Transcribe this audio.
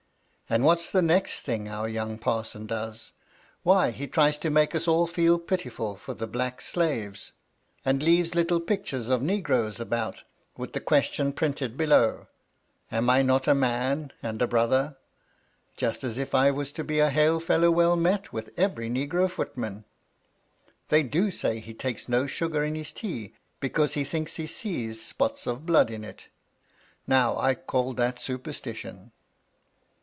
And what's the next thing our young parson does? Why he tries to make us all feel pitiful for the black slaves, and leaves little pictures of negroes about, with the question printed below, ' Am I not a man and a brother ?' just as if I was to be hail fellow well met with every negro footman. They do say he takes no sugar in his tea, because he thinks he sees spots of blood in it Now I call that superstition."